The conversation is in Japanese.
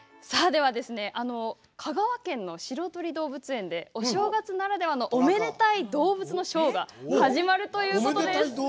香川県のしろとり動物園でお正月ならではのおめでたい動物のショーが始まるということです。